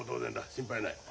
心配ない。